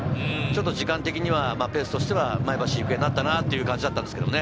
時間的にはペースとしては前橋育英になったなという感じだったんですけどね。